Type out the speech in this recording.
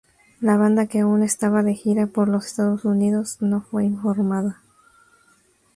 La banda, que aún estaba de gira por los Estados Unidos, no fue informada.